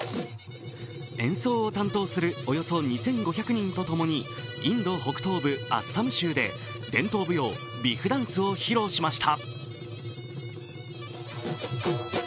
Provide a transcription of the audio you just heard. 演奏を担当するおよそ２５００人とともにインド北東部・アッサム州で伝統舞踊、ビフダンスを披露しました。